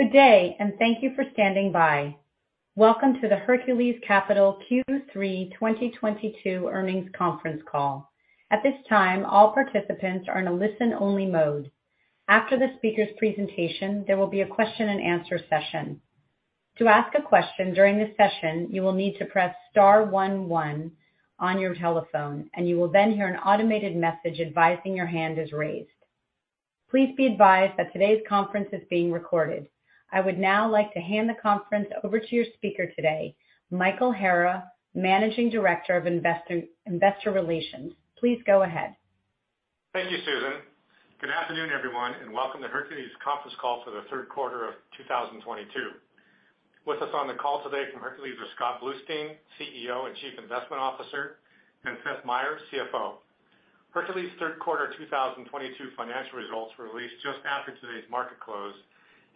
Good day, and thank you for standing by. Welcome to the Hercules Capital Q3 2022 earnings conference call. At this time, all participants are in a listen-only mode. After the speaker's presentation, there will be a question-and-answer session. To ask a question during this session, you will need to press star one one on your telephone, and you will then hear an automated message advising that your hand is raised. Please be advised that today's conference is being recorded. I would now like to hand the conference over to your speaker today, Michael Hara, Managing Director of Investor Relations. Please go ahead. Thank you, Susan. Good afternoon, everyone, and welcome to Hercules' conference call for the third quarter of 2022. With us on the call today from Hercules are Scott Bluestein, CEO and Chief Investment Officer, and Seth Meyer, CFO. Hercules' third quarter 2022 financial results were released just after today's market close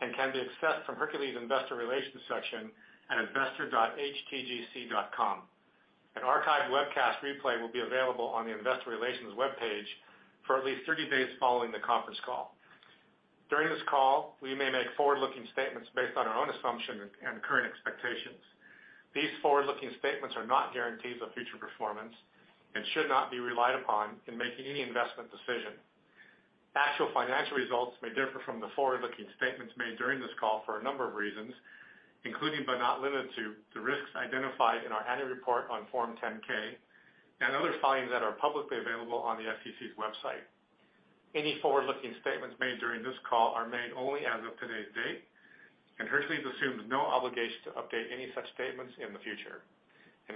and can be accessed from Hercules' Investor Relations section at investor.htgc.com. An archived webcast replay will be available on the Investor Relations webpage for at least 30 days following the conference call. During this call, we may make forward-looking statements based on our own assumption and current expectations. These forward-looking statements are not guarantees of future performance and should not be relied upon in making any investment decision. Actual financial results may differ from the forward-looking statements made during this call for a number of reasons, including but not limited to, the risks identified in our annual report on Form 10-K and other filings that are publicly available on the SEC's website. Any forward-looking statements made during this call are made only as of today's date, and Hercules assumes no obligation to update any such statements in the future.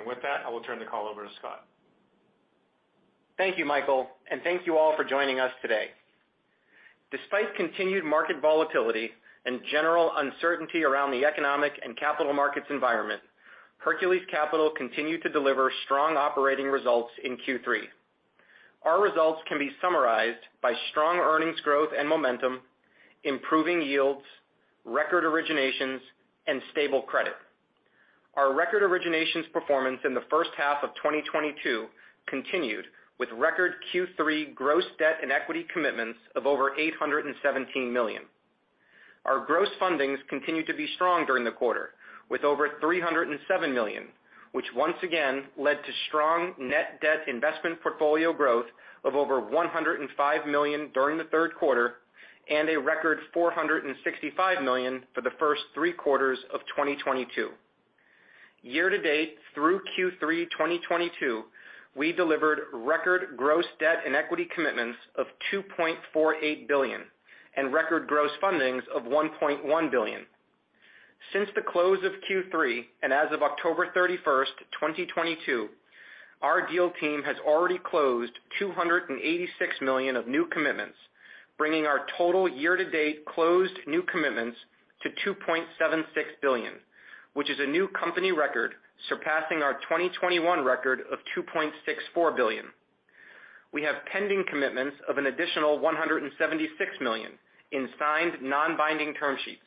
With that, I will turn the call over to Scott. Thank you, Michael, and thank you all for joining us today. Despite continued market volatility and general uncertainty around the economic and capital markets environment, Hercules Capital continued to deliver strong operating results in Q3. Our results can be summarized by strong earnings growth and momentum, improving yields, record originations, and stable credit. Our record originations performance in the first half of 2022 continued with record Q3 gross debt and equity commitments of over $817 million. Our gross fundings continued to be strong during the quarter with over $307 million, which once again led to strong net debt investment portfolio growth of over $105 million during the third quarter and a record $465 million for the first three quarters of 2022. Year to date through Q3 2022, we delivered record gross debt and equity commitments of $2.48 billion and record gross fundings of $1.1 billion. Since the close of Q3 and as of October 31, 2022, our deal team has already closed $286 million of new commitments, bringing our total year to date closed new commitments to $2.76 billion, which is a new company record surpassing our 2021 record of $2.64 billion. We have pending commitments of an additional $176 million in signed non-binding term sheets.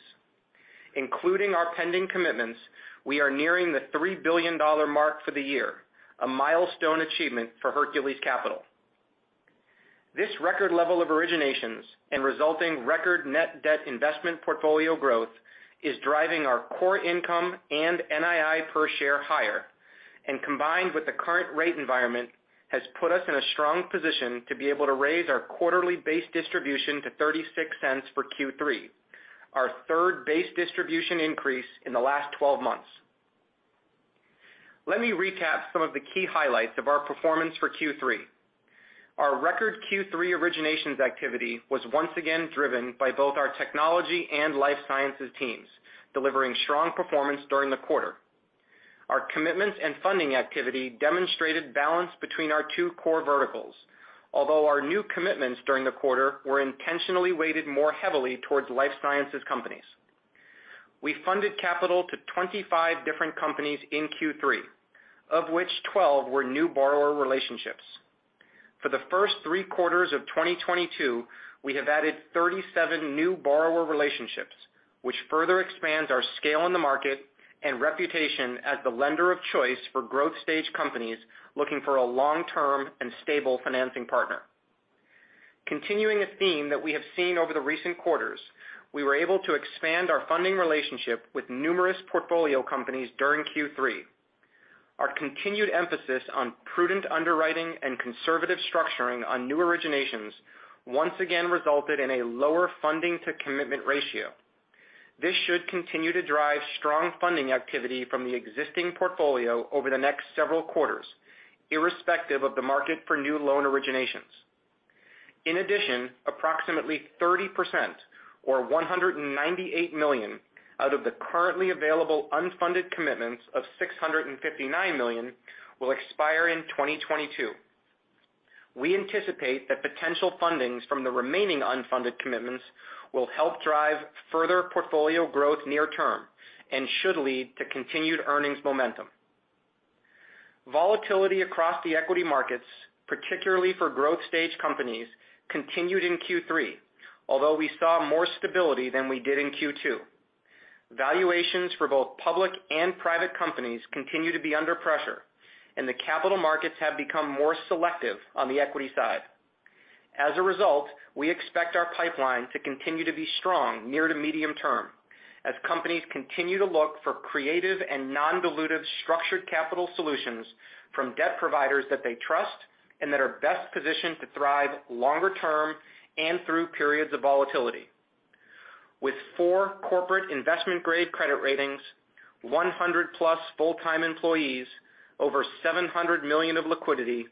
Including our pending commitments, we are nearing the $3 billion mark for the year, a milestone achievement for Hercules Capital. This record level of originations and resulting record net debt investment portfolio growth is driving our core income and NII per share higher, and combined with the current rate environment, has put us in a strong position to be able to raise our quarterly base distribution to $0.36 for Q3, our third base distribution increase in the last 12 months. Let me recap some of the key highlights of our performance for Q3. Our record Q3 originations activity was once again driven by both our technology and life sciences teams, delivering strong performance during the quarter. Our commitments and funding activity demonstrated balance between our two core verticals. Although our new commitments during the quarter were intentionally weighted more heavily towards life sciences companies. We funded capital to 25 different companies in Q3, of which 12 were new borrower relationships. For the first three quarters of 2022, we have added 37 new borrower relationships, which further expands our scale in the market and reputation as the lender of choice for growth stage companies looking for a long-term and stable financing partner. Continuing a theme that we have seen over the recent quarters, we were able to expand our funding relationship with numerous portfolio companies during Q3. Our continued emphasis on prudent underwriting and conservative structuring on new originations once again resulted in a lower funding to commitment ratio. This should continue to drive strong funding activity from the existing portfolio over the next several quarters, irrespective of the market for new loan originations. In addition, approximately 30% or $198 million out of the currently available unfunded commitments of $659 million will expire in 2022. We anticipate that potential fundings from the remaining unfunded commitments will help drive further portfolio growth near term and should lead to continued earnings momentum. Volatility across the equity markets, particularly for growth stage companies, continued in Q3. Although we saw more stability than we did in Q2. Valuations for both public and private companies continue to be under pressure, and the capital markets have become more selective on the equity side. As a result, we expect our pipeline to continue to be strong near to medium term as companies continue to look for creative and non-dilutive structured capital solutions from debt providers that they trust and that are best positioned to thrive longer term and through periods of volatility. With four corporate investment-grade credit ratings, 100+ full-time employees, over $700 million of liquidity,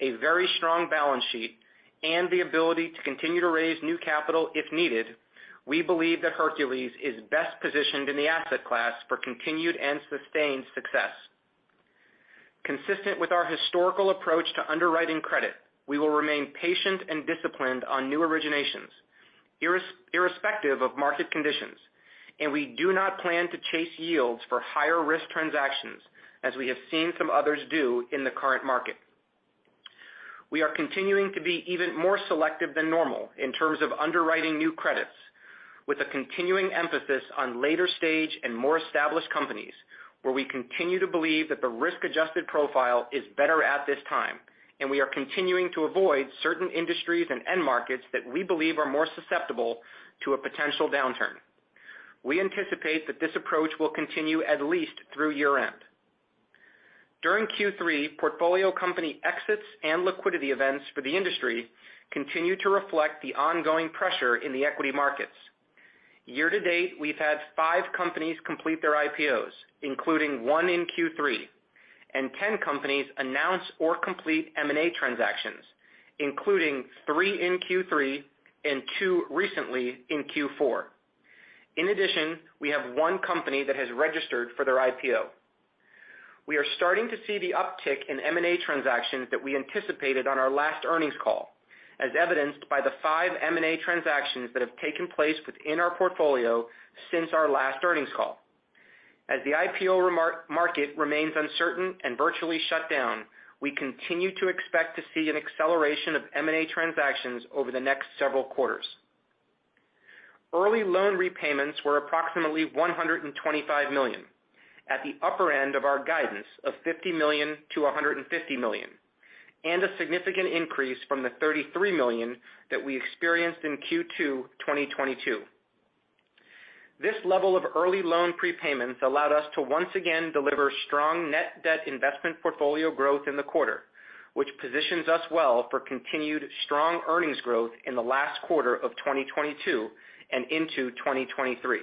a very strong balance sheet, and the ability to continue to raise new capital if needed, we believe that Hercules is best positioned in the asset class for continued and sustained success. Consistent with our historical approach to underwriting credit, we will remain patient and disciplined on new originations, irrespective of market conditions, and we do not plan to chase yields for higher risk transactions as we have seen some others do in the current market. We are continuing to be even more selective than normal in terms of underwriting new credits with a continuing emphasis on later stage and more established companies where we continue to believe that the risk-adjusted profile is better at this time, and we are continuing to avoid certain industries and end markets that we believe are more susceptible to a potential downturn. We anticipate that this approach will continue at least through year-end. During Q3, portfolio company exits and liquidity events for the industry continued to reflect the ongoing pressure in the equity markets. Year to date, we've had five companies complete their IPOs, including one in Q3, and 10 companies announce or complete M&A transactions, including three in Q3 and two recently in Q4. In addition, we have one company that has registered for their IPO. We are starting to see the uptick in M&A transactions that we anticipated on our last earnings call, as evidenced by the five M&A transactions that have taken place within our portfolio since our last earnings call. As the IPO market remains uncertain and virtually shut down, we continue to expect to see an acceleration of M&A transactions over the next several quarters. Early loan repayments were approximately $125 million, at the upper end of our guidance of $50 million-$150 million, and a significant increase from the $33 million that we experienced in Q2 2022. This level of early loan prepayments allowed us to once again deliver strong net debt investment portfolio growth in the quarter, which positions us well for continued strong earnings growth in the last quarter of 2022 and into 2023.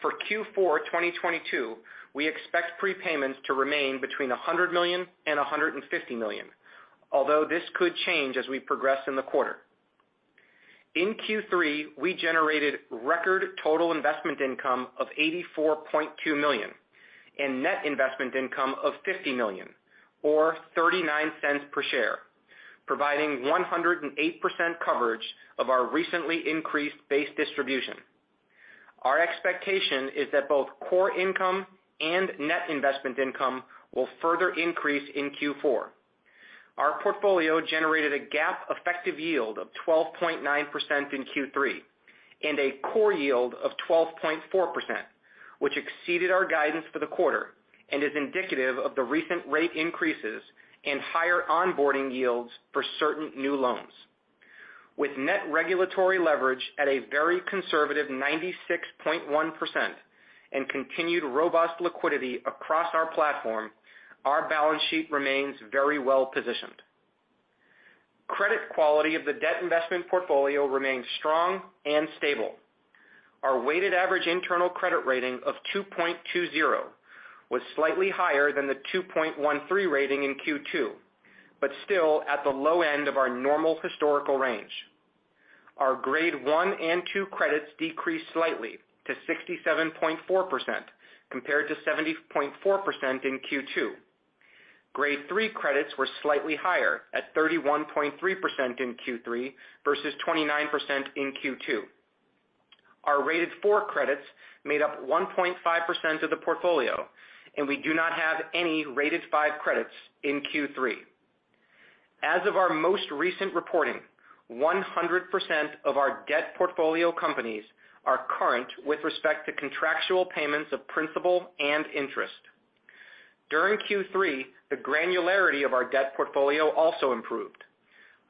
For Q4 2022, we expect prepayments to remain between $100 million and $150 million, although this could change as we progress in the quarter. In Q3, we generated record total investment income of $84.2 million and net investment income of $50 million or $0.39 per share, providing 108% coverage of our recently increased base distribution. Our expectation is that both core income and net investment income will further increase in Q4. Our portfolio generated a GAAP effective yield of 12.9% in Q3 and a core yield of 12.4%, which exceeded our guidance for the quarter and is indicative of the recent rate increases and higher onboarding yields for certain new loans. With net regulatory leverage at a very conservative 96.1% and continued robust liquidity across our platform, our balance sheet remains very well-positioned. Credit quality of the debt investment portfolio remains strong and stable. Our weighted average internal credit rating of 2.20 was slightly higher than the 2.13 rating in Q2, but still at the low end of our normal historical range. Our grade one and two credits decreased slightly to 67.4% compared to 74.4% in Q2. Grade three credits were slightly higher at 31.3% in Q3 versus 29% in Q2. Our rated four credits made up 1.5% of the portfolio, and we do not have any rated five credits in Q3. As of our most recent reporting, 100% of our debt portfolio companies are current with respect to contractual payments of principal and interest. During Q3, the granularity of our debt portfolio also improved.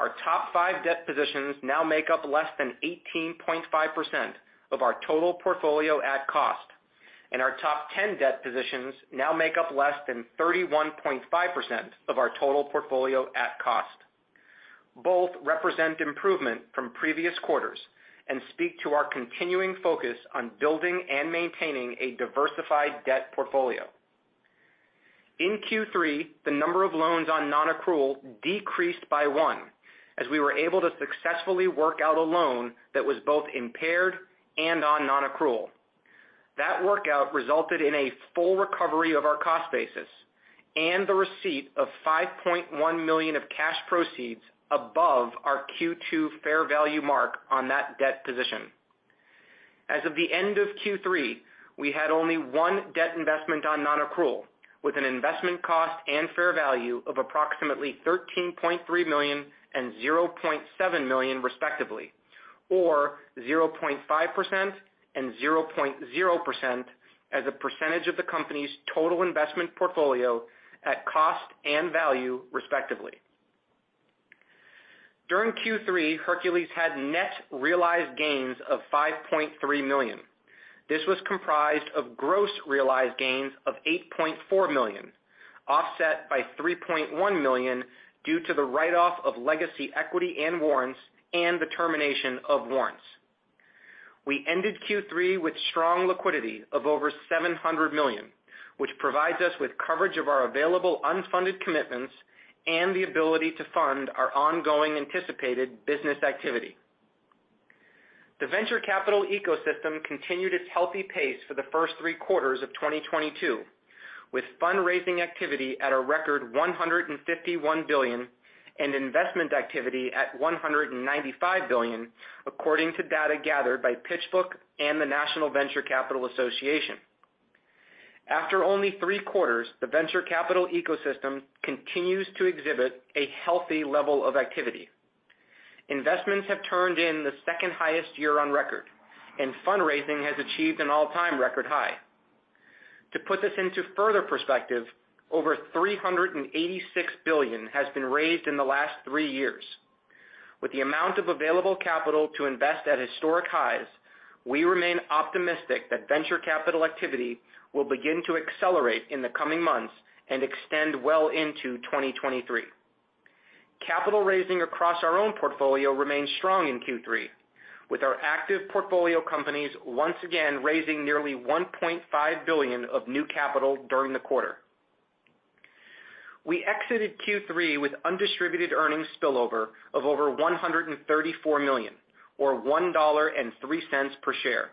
Our top five debt positions now make up less than 18.5% of our total portfolio at cost, and our top ten debt positions now make up less than 31.5% of our total portfolio at cost. Both represent improvement from previous quarters and speak to our continuing focus on building and maintaining a diversified debt portfolio. In Q3, the number of loans on nonaccrual decreased by one as we were able to successfully work out a loan that was both impaired and on nonaccrual. That workout resulted in a full recovery of our cost basis and the receipt of $5.1 million of cash proceeds above our Q2 fair value mark on that debt position. As of the end of Q3, we had only one debt investment on nonaccrual. With an investment cost and fair value of approximately $13.3 million and $0.7 million respectively, or 0.5% and 0.0% as a percentage of the company's total investment portfolio at cost and value respectively. During Q3, Hercules had net realized gains of $5.3 million. This was comprised of gross realized gains of $8.4 million, offset by $3.1 million due to the write-off of legacy equity and warrants and the termination of warrants. We ended Q3 with strong liquidity of over $700 million, which provides us with coverage of our available unfunded commitments and the ability to fund our ongoing anticipated business activity. The venture capital ecosystem continued its healthy pace for the first three quarters of 2022, with fundraising activity at a record $151 billion and investment activity at $195 billion, according to data gathered by PitchBook and the National Venture Capital Association. After only three quarters, the venture capital ecosystem continues to exhibit a healthy level of activity. Investments have turned in the second highest year on record, and fundraising has achieved an all-time record high. To put this into further perspective, over $386 billion has been raised in the last three years. With the amount of available capital to invest at historic highs, we remain optimistic that venture capital activity will begin to accelerate in the coming months and extend well into 2023. Capital raising across our own portfolio remains strong in Q3, with our active portfolio companies once again raising nearly $1.5 billion of new capital during the quarter. We exited Q3 with undistributed earnings spillover of over $134 million or $1.03 per share.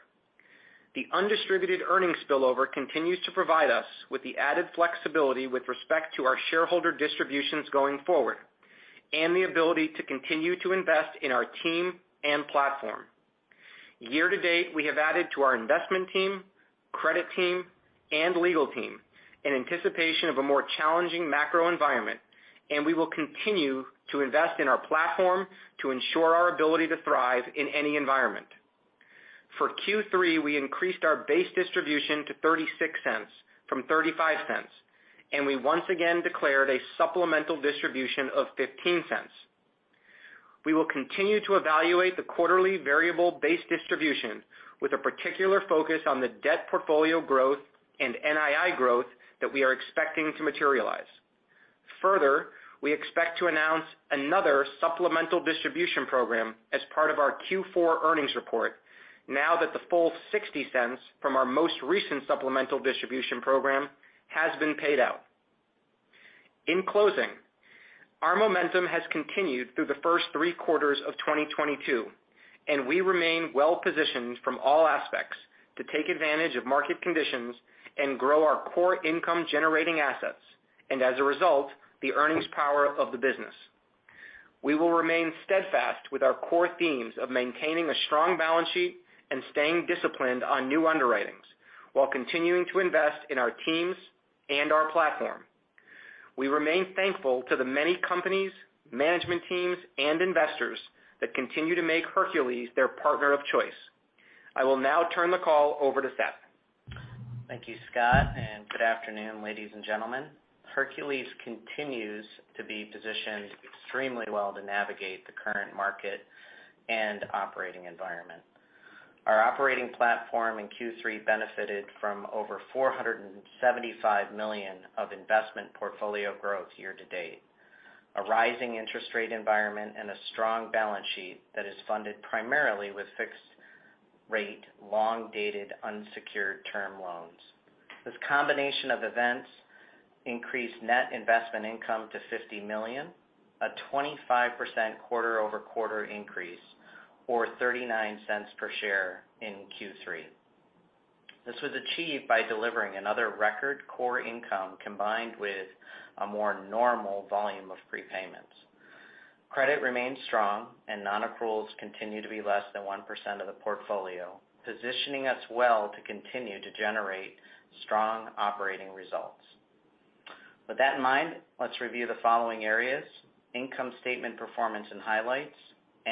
The undistributed earnings spillover continues to provide us with the added flexibility with respect to our shareholder distributions going forward and the ability to continue to invest in our team and platform. Year to date, we have added to our investment team, credit team and legal team in anticipation of a more challenging macro environment, and we will continue to invest in our platform to ensure our ability to thrive in any environment. For Q3, we increased our base distribution to $0.36 from $0.35, and we once again declared a supplemental distribution of $0.15. We will continue to evaluate the quarterly variable base distribution with a particular focus on the debt portfolio growth and NII growth that we are expecting to materialize. Further, we expect to announce another supplemental distribution program as part of our Q4 earnings report now that the full $0.60 from our most recent supplemental distribution program has been paid out. In closing, our momentum has continued through the first three quarters of 2022, and we remain well positioned from all aspects to take advantage of market conditions and grow our core income-generating assets and as a result, the earnings power of the business. We will remain steadfast with our core themes of maintaining a strong balance sheet and staying disciplined on new underwritings while continuing to invest in our teams and our platform. We remain thankful to the many companies, management teams and investors that continue to make Hercules their partner of choice. I will now turn the call over to Seth. Thank you, Scott, and good afternoon, ladies and gentlemen. Hercules continues to be positioned extremely well to navigate the current market and operating environment. Our operating platform in Q3 benefited from over $475 million of investment portfolio growth year to date, a rising interest rate environment and a strong balance sheet that is funded primarily with fixed rate, long-dated, unsecured term loans. This combination of events increased net investment income to $50 million, a 25% quarter-over-quarter increase or $0.39 per share in Q3. This was achieved by delivering another record core income combined with a more normal volume of prepayments. Credit remains strong and non-accruals continue to be less than 1% of the portfolio, positioning us well to continue to generate strong operating results. With that in mind, let's review the following areas, income statement performance and highlights,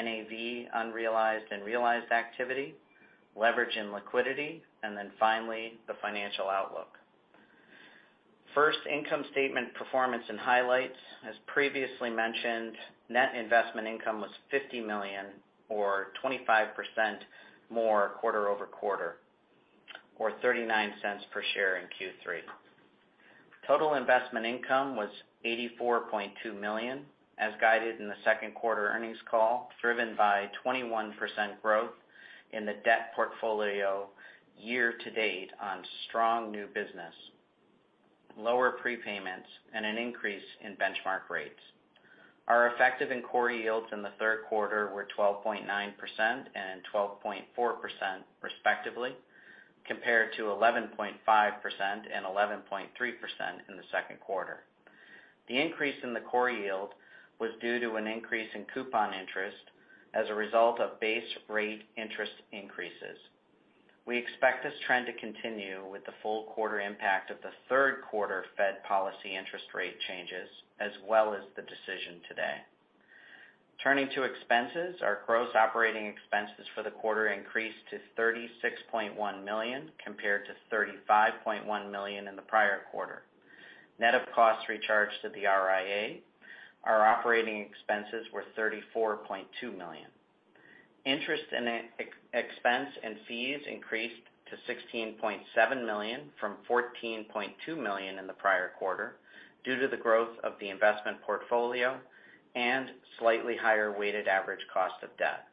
NAV unrealized and realized activity, leverage and liquidity, and then finally, the financial outlook. First, income statement performance and highlights. As previously mentioned, net investment income was $50 million or 25% more quarter-over-quarter or $0.39 per share in Q3. Total investment income was $84.2 million as guided in the second quarter earnings call, driven by 21% growth in the debt portfolio year-to-date on strong new business, lower prepayments, and an increase in benchmark rates. Our effective investment yields in the third quarter were 12.9% and 12.4% respectively, compared to 11.5% and 11.3% in the second quarter. The increase in the core yield was due to an increase in coupon interest as a result of base rate interest increases. We expect this trend to continue with the full quarter impact of the third quarter Fed policy interest rate changes, as well as the decision today. Turning to expenses, our gross operating expenses for the quarter increased to $36.1 million compared to $35.1 million in the prior quarter. Net of costs recharged at the RIA, our operating expenses were $34.2 million. Interest and expense and fees increased to $16.7 million from $14.2 million in the prior quarter due to the growth of the investment portfolio and slightly higher weighted average cost of debt.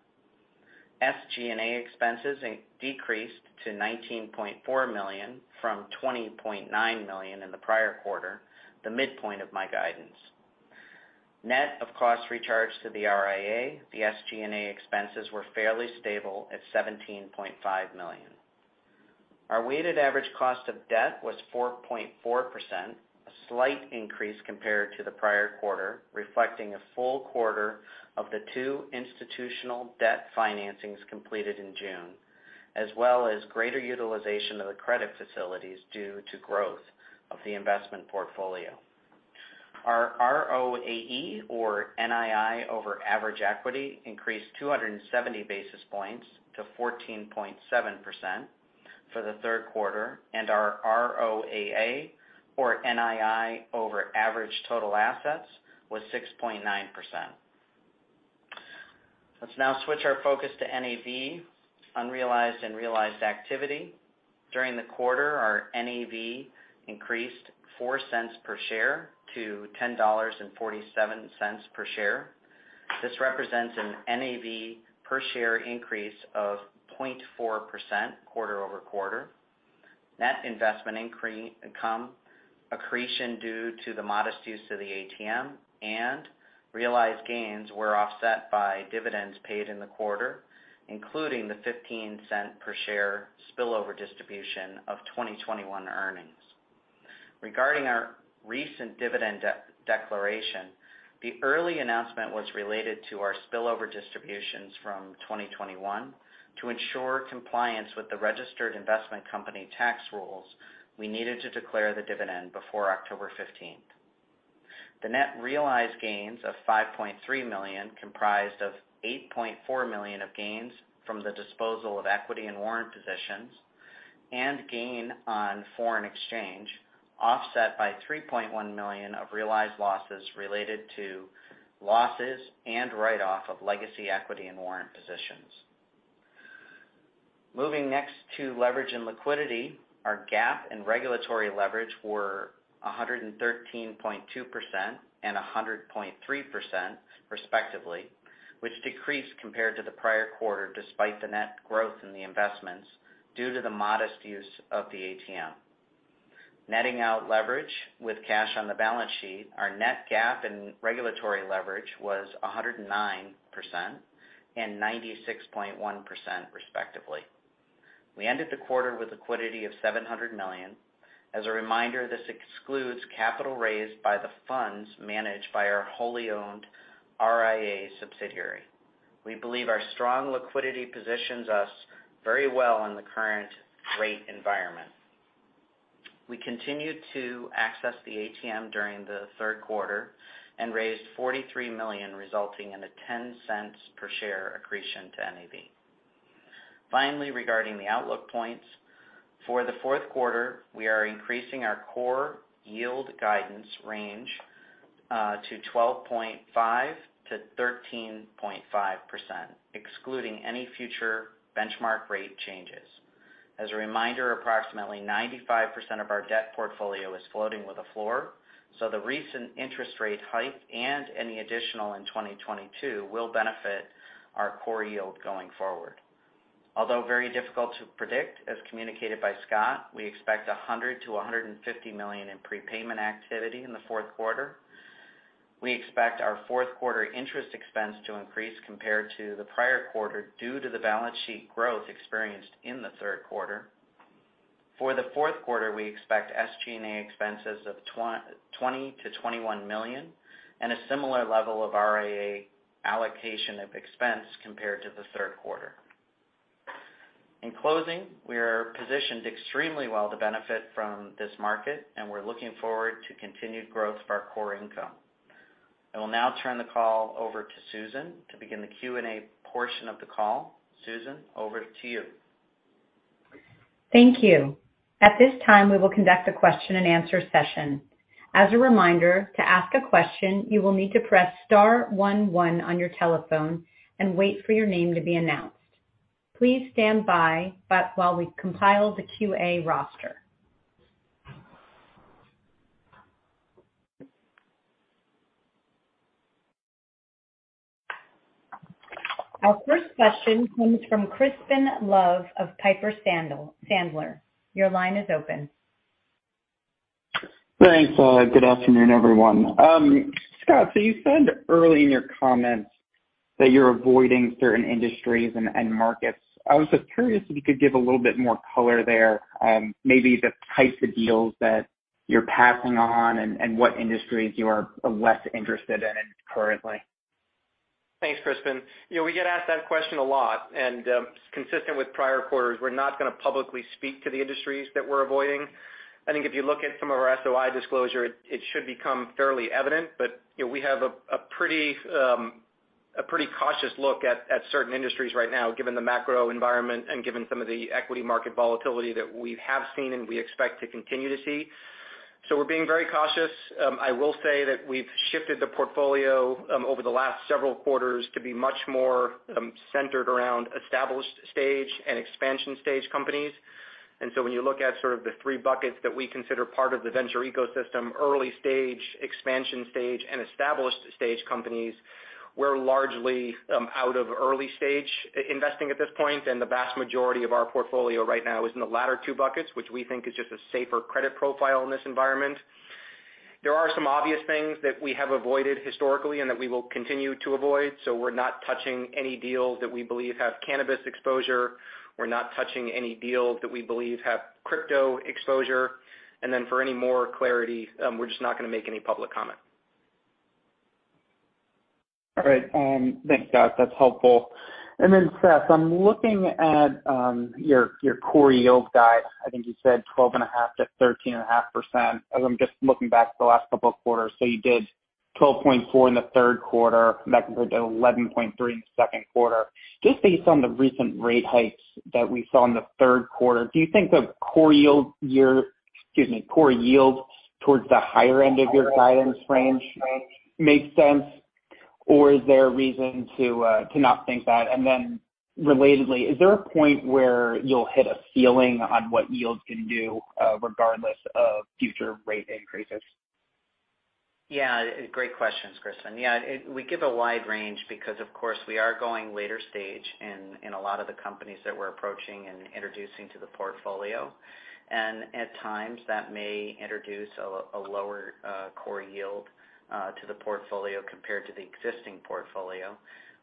SG&A expenses decreased to $19.4 million from $20.9 million in the prior quarter, the midpoint of my guidance. Net of cost recharge to the RIA, the SG&A expenses were fairly stable at $17.5 million. Our weighted average cost of debt was 4.4%, a slight increase compared to the prior quarter, reflecting a full quarter of the two institutional debt financings completed in June, as well as greater utilization of the credit facilities due to growth of the investment portfolio. Our ROAE, or NII over average equity, increased 270 basis points to 14.7% for the third quarter, and our ROAA, or NII over average total assets, was 6.9%. Let's now switch our focus to NAV unrealized and realized activity. During the quarter, our NAV increased $0.04 per share to $10.47 per share. This represents an NAV per share increase of 0.4% quarter-over-quarter. Net investment income accretion due to the modest use of the ATM and realized gains were offset by dividends paid in the quarter, including the $0.15 per share spillover distribution of 2021 earnings. Regarding our recent dividend declaration, the early announcement was related to our spillover distributions from 2021. To ensure compliance with the registered investment company tax rules, we needed to declare the dividend before October fifteenth. The net realized gains of $5.3 million comprised of $8.4 million of gains from the disposal of equity and warrant positions and gain on foreign exchange, offset by $3.1 million of realized losses related to losses and write-off of legacy equity and warrant positions. Moving next to leverage and liquidity. Our GAAP and regulatory leverage were 113.2% and 100.3% respectively, which decreased compared to the prior quarter despite the net growth in the investments due to the modest use of the ATM. Netting out leverage with cash on the balance sheet, our net GAAP and regulatory leverage was 109% and 96.1% respectively. We ended the quarter with liquidity of $700 million. As a reminder, this excludes capital raised by the funds managed by our wholly owned RIA subsidiary. We believe our strong liquidity positions us very well in the current rate environment. We continued to access the ATM during the third quarter and raised $43 million, resulting in a $0.10 per share accretion to NAV. Finally, regarding the outlook points. For the fourth quarter, we are increasing our core yield guidance range to 12.5%-13.5%, excluding any future benchmark rate changes. As a reminder, approximately 95% of our debt portfolio is floating with a floor, so the recent interest rate hike and any additional in 2022 will benefit our core yield going forward. Although very difficult to predict, as communicated by Scott, we expect $100 million-$150 million in prepayment activity in the fourth quarter. We expect our fourth quarter interest expense to increase compared to the prior quarter due to the balance sheet growth experienced in the third quarter. For the fourth quarter, we expect SG&A expenses of $20 million-$21 million and a similar level of ROAA allocation of expense compared to the third quarter. In closing, we are positioned extremely well to benefit from this market, and we're looking forward to continued growth of our core income. I will now turn the call over to Susan to begin the Q&A portion of the call. Susan, over to you. Thank you. At this time, we will conduct a question and answer session. As a reminder, to ask a question, you will need to press star one one on your telephone and wait for your name to be announced. Please stand by while we compile the QA roster. Our first question comes from Crispin Love of Piper Sandler. Your line is open. Thanks. Good afternoon, everyone. Scott, you said early in your comments that you're avoiding certain industries and markets. I was just curious if you could give a little bit more color there, maybe the types of deals that you're passing on and what industries you are less interested in currently. Thanks, Crispin. You know, we get asked that question a lot, and consistent with prior quarters, we're not gonna publicly speak to the industries that we're avoiding. I think if you look at some of our SOI disclosure, it should become fairly evident. You know, we have a pretty cautious look at certain industries right now, given the macro environment and given some of the equity market volatility that we have seen and we expect to continue to see. We're being very cautious. I will say that we've shifted the portfolio over the last several quarters to be much more centered around established stage and expansion stage companies. When you look at sort of the three buckets that we consider part of the venture ecosystem, early stage, expansion stage, and established stage companies, we're largely out of early stage investing at this point, and the vast majority of our portfolio right now is in the latter two buckets, which we think is just a safer credit profile in this environment. There are some obvious things that we have avoided historically and that we will continue to avoid. We're not touching any deals that we believe have cannabis exposure. We're not touching any deals that we believe have crypto exposure. For any more clarity, we're just not gonna make any public comment. All right. Thanks, Scott, that's helpful. Seth, I'm looking at your core yield guide. I think you said 12.5%-13.5%, as I'm just looking back at the last couple of quarters. You did 12.4% in the third quarter. That compared to 11.3% in the second quarter. Just based on the recent rate hikes that we saw in the third quarter, do you think the core yield towards the higher end of your guidance range makes sense, or is there a reason to not think that? Relatedly, is there a point where you'll hit a ceiling on what yields can do, regardless of future rate increases? Yeah, great questions, Crispin. Yeah, we give a wide range because of course we are going later stage in a lot of the companies that we're approaching and introducing to the portfolio. At times that may introduce a lower core yield to the portfolio compared to the existing portfolio.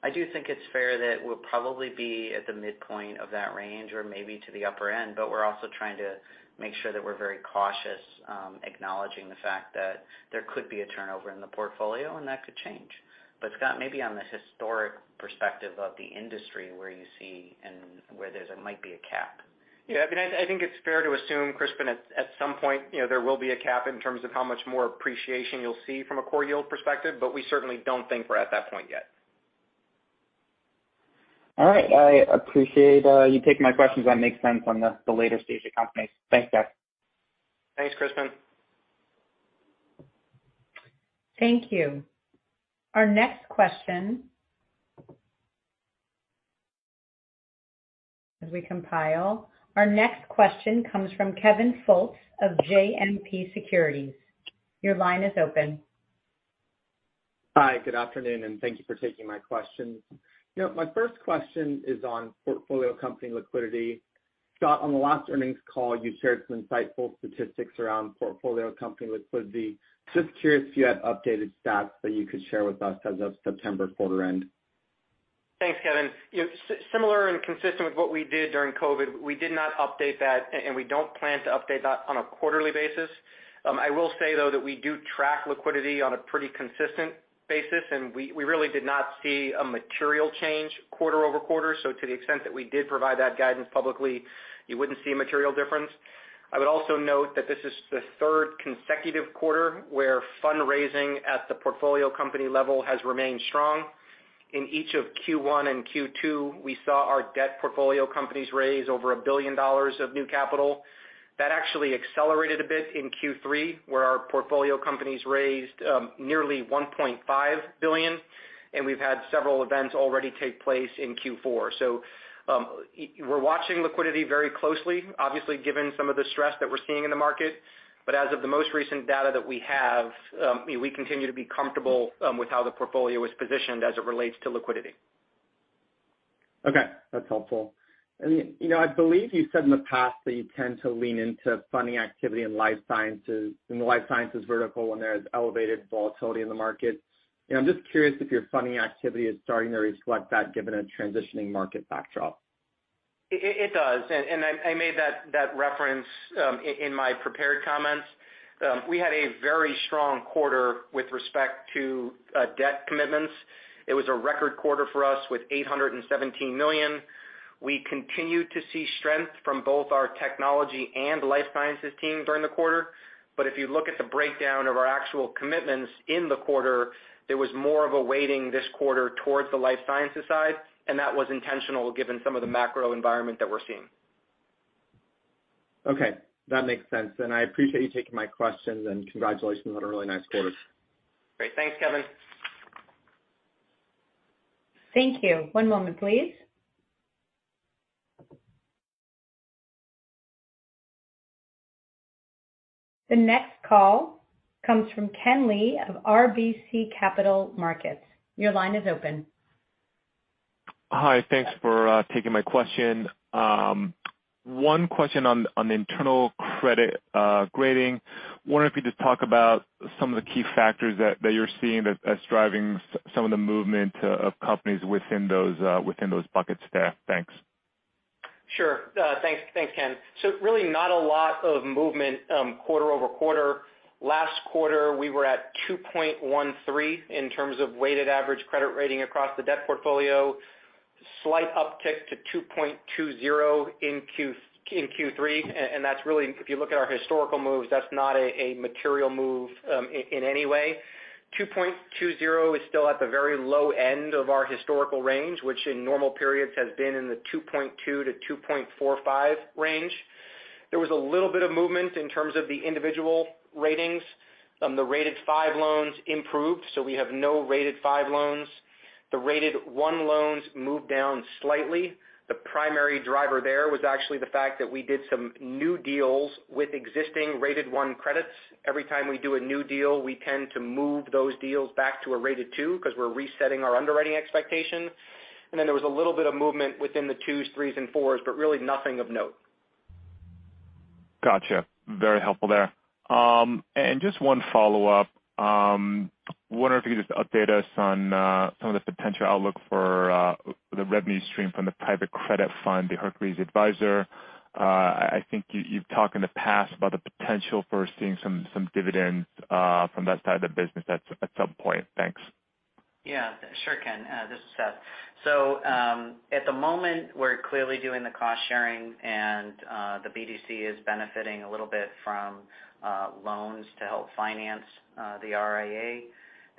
I do think it's fair that we'll probably be at the midpoint of that range or maybe to the upper end, but we're also trying to make sure that we're very cautious, acknowledging the fact that there could be a turnover in the portfolio and that could change. Scott, maybe on the historical perspective of the industry where you see and where there might be a cap. Yeah, I mean, I think it's fair to assume, Crispin, at some point, you know, there will be a cap in terms of how much more appreciation you'll see from a core yield perspective, but we certainly don't think we're at that point yet. All right. I appreciate you taking my questions. That makes sense on the later stage of companies. Thanks, guys. Thanks, Crispin. Thank you. Our next question comes from Kevin Fultz of JMP Securities. Your line is open. Hi. Good afternoon, and thank you for taking my questions. You know, my first question is on portfolio company liquidity. Scott, on the last earnings call, you shared some insightful statistics around portfolio company liquidity. Just curious if you had updated stats that you could share with us as of September quarter end? Thanks, Kevin. You know, similar and consistent with what we did during COVID, we did not update that, and we don't plan to update that on a quarterly basis. I will say, though, that we do track liquidity on a pretty consistent basis, and we really did not see a material change quarter-over-quarter. To the extent that we did provide that guidance publicly, you wouldn't see a material difference. I would also note that this is the third consecutive quarter where fundraising at the portfolio company level has remained strong. In each of Q1 and Q2, we saw our debt portfolio companies raise over $1 billion of new capital. That actually accelerated a bit in Q3, where our portfolio companies raised nearly $1.5 billion, and we've had several events already take place in Q4. We're watching liquidity very closely, obviously given some of the stress that we're seeing in the market. As of the most recent data that we have, you know, we continue to be comfortable with how the portfolio is positioned as it relates to liquidity. Okay, that's helpful. You know, I believe you said in the past that you tend to lean into funding activity in life sciences, in the life sciences vertical when there's elevated volatility in the market. You know, I'm just curious if your funding activity is starting to reflect that, given a transitioning market backdrop. It does, and I made that reference in my prepared comments. We had a very strong quarter with respect to debt commitments. It was a record quarter for us with $817 million. We continued to see strength from both our technology and life sciences team during the quarter. If you look at the breakdown of our actual commitments in the quarter, there was more of a weighting this quarter towards the life sciences side, and that was intentional given some of the macro environment that we're seeing. Okay, that makes sense. I appreciate you taking my questions, and congratulations on a really nice quarter. Great. Thanks, Kevin. Thank you. One moment, please. The next call comes from Ken Lee of RBC Capital Markets. Your line is open. Hi. Thanks for taking my question. One question on the internal credit grading. Wondering if you could just talk about some of the key factors that you're seeing as driving some of the movement of companies within those buckets there. Thanks. Sure. Thanks. Thanks, Ken. Really not a lot of movement quarter-over-quarter. Last quarter, we were at 2.13 in terms of weighted average credit rating across the debt portfolio. Slight uptick to 2.20 in Q3, and that's really if you look at our historical moves, that's not a material move in any way. 2.20 is still at the very low end of our historical range, which in normal periods has been in the 2.2-2.45 range. There was a little bit of movement in terms of the individual ratings. The rated five loans improved, so we have no rated five loans. The rated one loans moved down slightly. The primary driver there was actually the fact that we did some new deals with existing rated one credits. Every time we do a new deal, we tend to move those deals back to a rated two 'cause we're resetting our underwriting expectations. There was a little bit of movement within the 2s, 3s, and 4s, but really nothing of note. Gotcha. Very helpful there. Just one follow-up. Wondering if you could just update us on some of the potential outlook for the revenue stream from the private credit fund, the Hercules Adviser. I think you've talked in the past about the potential for seeing some dividends from that side of the business at some point. Thanks. Yeah. Sure, Ken. This is Seth. At the moment, we're clearly doing the cost sharing and the BDC is benefiting a little bit from loans to help finance the RIA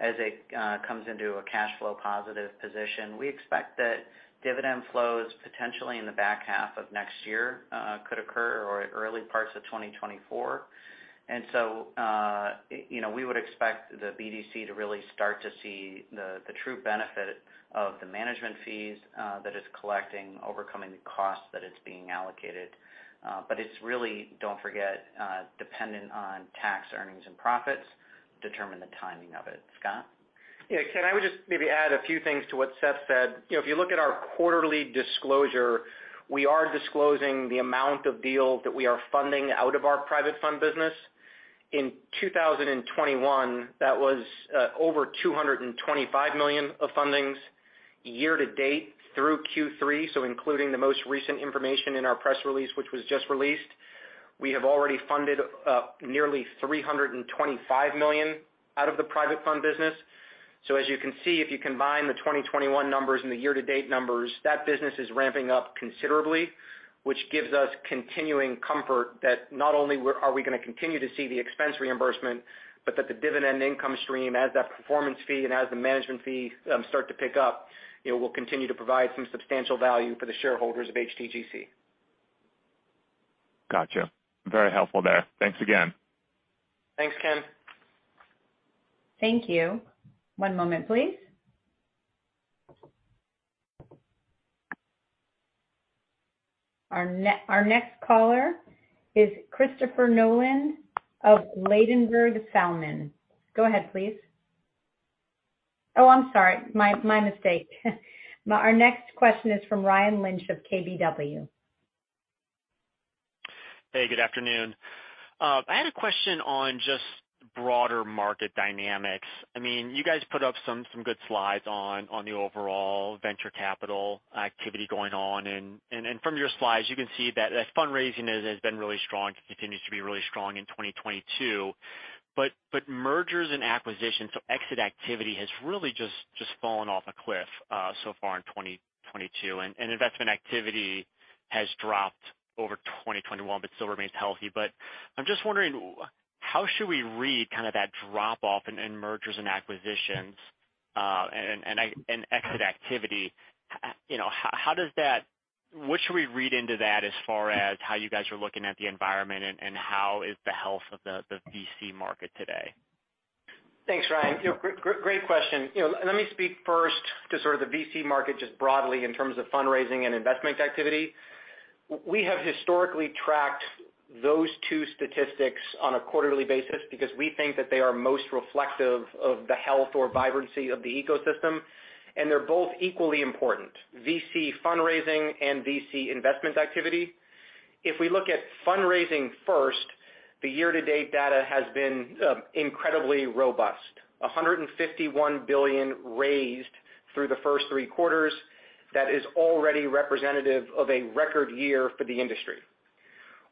as it comes into a cash flow positive position. We expect that dividend flows potentially in the back half of next year could occur or early parts of 2024. You know, we would expect the BDC to really start to see the true benefit of the management fees that it's collecting overcoming the costs that it's being allocated. But it's really, don't forget, dependent on tax earnings and profits determine the timing of it. Scott? Yeah. Ken, I would just maybe add a few things to what Seth said. You know, if you look at our quarterly disclosure, we are disclosing the amount of deals that we are funding out of our private fund business. In 2021, that was over $225 million of fundings. Year to date through Q3, so including the most recent information in our press release, which was just released, we have already funded nearly $325 million out of the private fund business. As you can see, if you combine the 2021 numbers and the year to date numbers, that business is ramping up considerably, which gives us continuing comfort that not only are we gonna continue to see the expense reimbursement, but that the dividend income stream as that performance fee and as the management fee start to pick up, you know, will continue to provide some substantial value for the shareholders of HTGC. Gotcha. Very helpful there. Thanks again. Thanks, Ken. Thank you. One moment please. Our next caller is Christopher Nolan of Ladenburg Thalmann. Go ahead please. Oh, I'm sorry. My mistake. Our next question is from Ryan Lynch of KBW. Hey, good afternoon. I had a question on just broader market dynamics. I mean, you guys put up some good slides on the overall venture capital activity going on, and from your slides, you can see that the fundraising has been really strong, continues to be really strong in 2022. Mergers and acquisitions, so exit activity has really just fallen off a cliff so far in 2022. Investment activity has dropped over 2021 but still remains healthy. I'm just wondering, how should we read kinda that drop off in mergers and acquisitions and exit activity? What should we read into that as far as how you guys are looking at the environment and how is the health of the VC market today? Thanks, Ryan. You know, great question. You know, let me speak first to sort of the VC market just broadly in terms of fundraising and investment activity. We have historically tracked those two statistics on a quarterly basis because we think that they are most reflective of the health or vibrancy of the ecosystem, and they're both equally important, VC fundraising and VC investment activity. If we look at fundraising first, the year to date data has been incredibly robust. $151 billion raised through the first three quarters. That is already representative of a record year for the industry.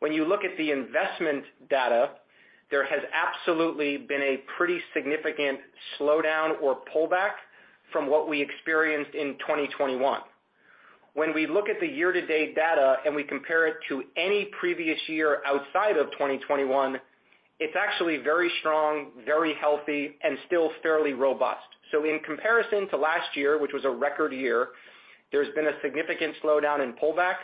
When you look at the investment data, there has absolutely been a pretty significant slowdown or pullback from what we experienced in 2021. When we look at the year to date data and we compare it to any previous year outside of 2021, it's actually very strong, very healthy, and still fairly robust. In comparison to last year, which was a record year, there's been a significant slowdown and pullback,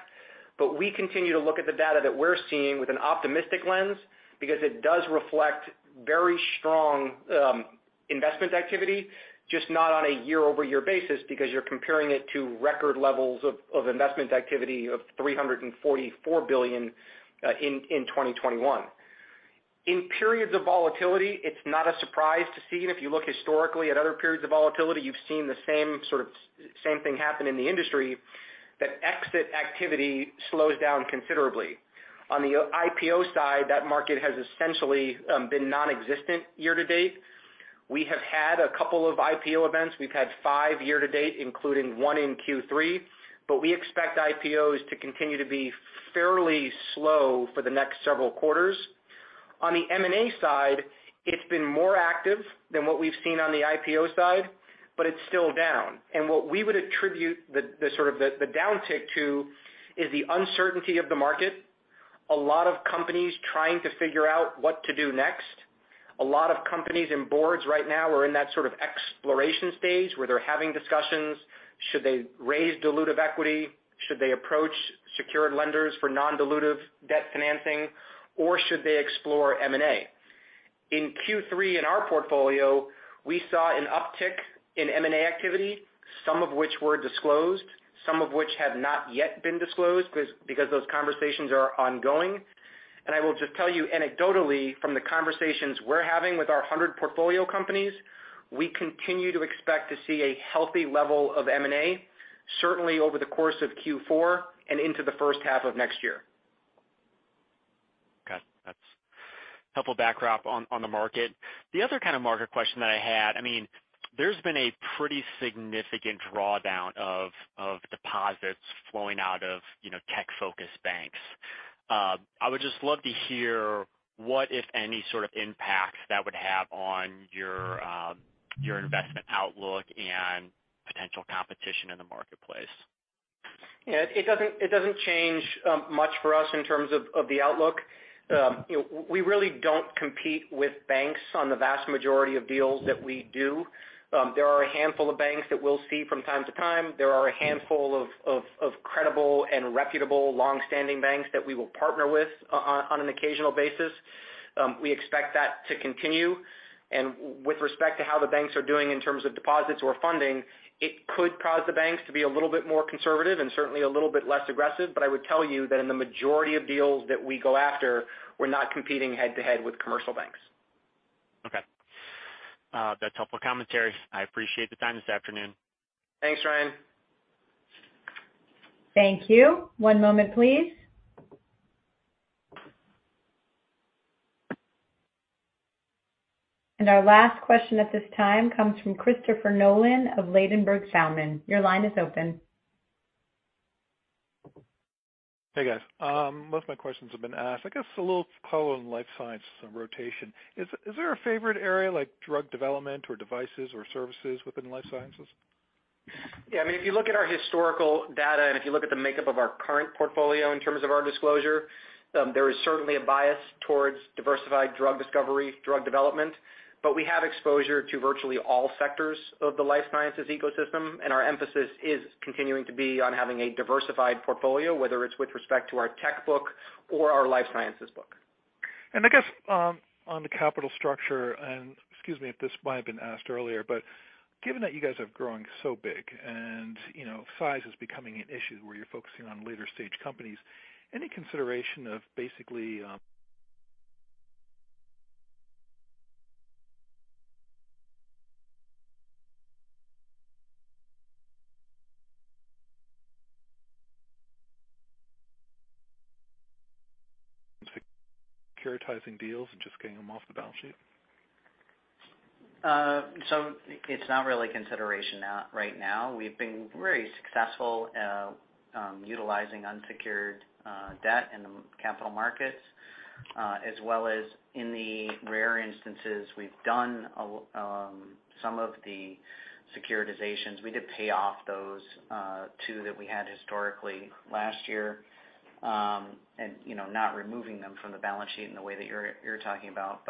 but we continue to look at the data that we're seeing with an optimistic lens because it does reflect very strong, investment activity, just not on a year-over-year basis because you're comparing it to record levels of investment activity of $344 billion in 2021. In periods of volatility, it's not a surprise to see, and if you look historically at other periods of volatility, you've seen the same sort of thing happen in the industry, that exit activity slows down considerably. On the IPO side, that market has essentially been nonexistent year-to-date. We have had a couple of IPO events. We've had 5 year-to-date, including 1 in Q3, but we expect IPOs to continue to be fairly slow for the next several quarters. On the M&A side, it's been more active than what we've seen on the IPO side, but it's still down. What we would attribute the sort of downtick to is the uncertainty of the market. A lot of companies trying to figure out what to do next. A lot of companies and boards right now are in that sort of exploration stage, where they're having discussions, should they raise dilutive equity? Should they approach secured lenders for non-dilutive debt financing, or should they explore M&A? In Q3, in our portfolio, we saw an uptick in M&A activity, some of which were disclosed, some of which have not yet been disclosed because those conversations are ongoing. I will just tell you anecdotally, from the conversations we're having with our 100 portfolio companies, we continue to expect to see a healthy level of M&A, certainly over the course of Q4 and into the first half of next year. Okay. That's helpful backdrop on the market. The other kind of market question that I had, I mean, there's been a pretty significant drawdown of deposits flowing out of, you know, tech-focused banks. I would just love to hear what if any, sort of impacts that would have on your investment outlook and potential competition in the marketplace. Yeah. It doesn't change much for us in terms of the outlook. You know, we really don't compete with banks on the vast majority of deals that we do. There are a handful of banks that we'll see from time to time. There are a handful of credible and reputable longstanding banks that we will partner with on an occasional basis. We expect that to continue. With respect to how the banks are doing in terms of deposits or funding, it could cause the banks to be a little bit more conservative and certainly a little bit less aggressive, but I would tell you that in the majority of deals that we go after, we're not competing head to head with commercial banks. Okay. That's helpful commentary. I appreciate the time this afternoon. Thanks, Ryan. Thank you. One moment, please. Our last question at this time comes from Christopher Nolan of Ladenburg Thalmann. Your line is open. Hey, guys. Most of my questions have been asked. I guess a little follow on life sciences and rotation. Is there a favorite area like drug development or devices or services within life sciences? Yeah. I mean, if you look at our historical data, and if you look at the makeup of our current portfolio in terms of our disclosure, there is certainly a bias towards diversified drug discovery, drug development, but we have exposure to virtually all sectors of the life sciences ecosystem, and our emphasis is continuing to be on having a diversified portfolio, whether it's with respect to our tech book or our life sciences book. I guess, on the capital structure, excuse me, if this might have been asked earlier, but given that you guys have grown so big and, you know, size is becoming an issue where you're focusing on later stage companies, any consideration of basically securitizing deals and just getting them off the balance sheet? It's not really a consideration now, right now. We've been very successful utilizing unsecured debt in the capital markets, as well as in the rare instances we've done some of the securitizations. We did pay off those two that we had historically last year. You know, not removing them from the balance sheet in the way that you're talking about.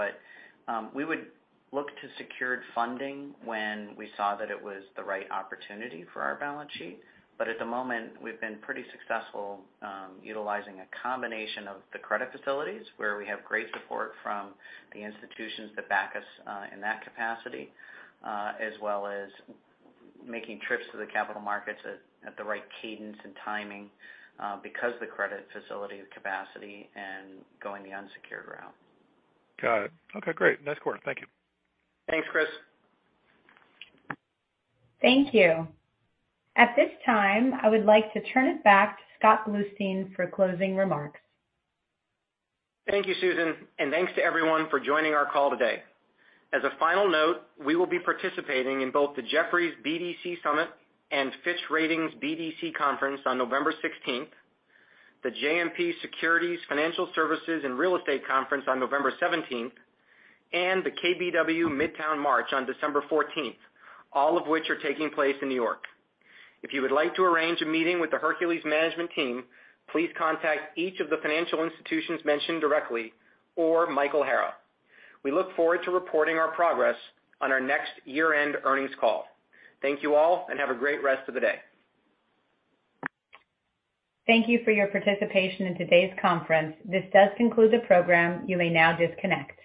We would look to secured funding when we saw that it was the right opportunity for our balance sheet. At the moment, we've been pretty successful, utilizing a combination of the credit facilities where we have great support from the institutions that back us, in that capacity, as well as making trips to the capital markets at the right cadence and timing, because the credit facility capacity and going the unsecured route. Got it. Okay, great. Nice quarter. Thank you. Thanks, Chris. Thank you. At this time, I would like to turn it back to Scott Bluestein for closing remarks. Thank you, Susan, and thanks to everyone for joining our call today. As a final note, we will be participating in both the Jefferies BDC Summit and Fitch Ratings BDC Conference on November 16, the JMP Securities Financial Services and Real Estate Conference on November 17, and the KBW Midtown March on December 14, all of which are taking place in New York. If you would like to arrange a meeting with the Hercules management team, please contact each of the financial institutions mentioned directly or Michael Hara. We look forward to reporting our progress on our next year-end earnings call. Thank you all, and have a great rest of the day. Thank you for your participation in today's conference. This does conclude the program. You may now disconnect.